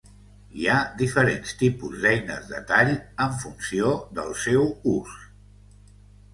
Hi ha diferents tipus d'eines de tall, en funció del seu ús.